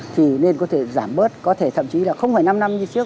thì nên có thể giảm bớt có thể thậm chí là không phải năm năm như trước